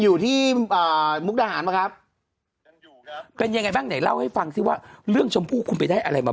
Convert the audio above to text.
อยู่ที่อ่ามุกดาหารบ้างครับเป็นยังไงบ้างไหนเล่าให้ฟังสิว่าเรื่องชมพู่คุณไปได้อะไรมา